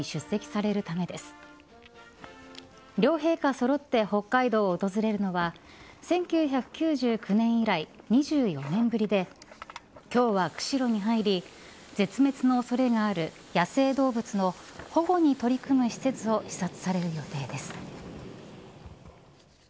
揃って北海道を訪れるのは１９９９年以来２４年ぶりで今日は釧路に入り絶滅の恐れがある野生動物の保護に取り組む施設を視察される予定です。